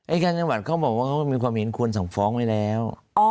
อายการจังหวัดเขาบอกว่าเขามีความเห็นควรสั่งฟ้องไว้แล้ว